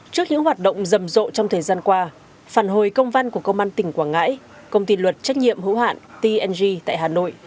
trước những hoạt động rầm rộ trong thời gian qua phản hồi công văn của công an tỉnh quảng ngãi công ty luật trách nhiệm hữu hạn tng tại hà nội